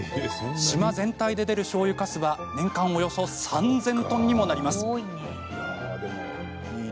島全体で出る、しょうゆかすは年間およそ３０００トンにもなります。